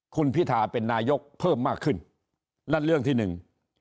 คุณพิธาเป็นนายกเพิ่มมากขึ้นนั่นเรื่องที่หนึ่ง